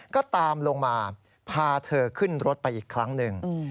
ก็ตามลงมาพาเธอขึ้นรถไปอีกครั้งหนึ่ง